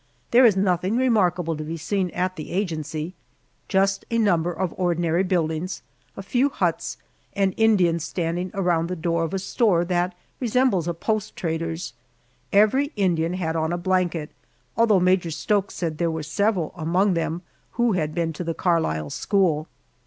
There is nothing remarkable to be seen at the agency just a number of ordinary buildings, a few huts, and Indians standing around the door of a store that resembles a post trader's. Every Indian had on a blanket, although Major Stokes said there were several among them who had been to the Carlisle School.